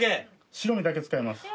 白身だけ使います。